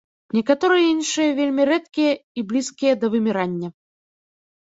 Некаторыя іншыя вельмі рэдкія і блізкія да вымірання.